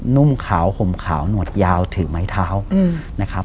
นุ่งขาวห่มขาวหนวดยาวถือไม้เท้านะครับ